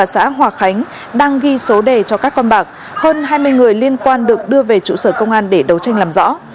xã hòa khánh đang ghi số đề cho các con bạc hơn hai mươi người liên quan được đưa về trụ sở công an để đấu tranh làm rõ